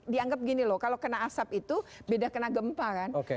dianggap gini loh kalau kena asap itu beda kena gempa kan